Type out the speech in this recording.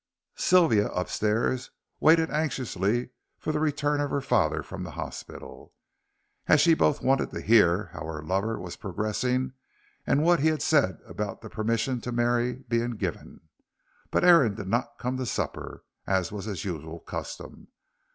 Sylvia upstairs waited anxiously for the return of her father from the hospital, as she both wanted to hear how her lover was progressing and what he said about the permission to marry being given. But Aaron did not come to supper, as was his usual custom.